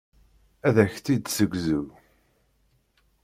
Ad ak-t-id-tessegzu.